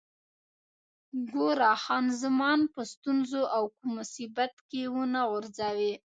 ګوره، خان زمان په ستونزو او کوم مصیبت کې ونه غورځوې.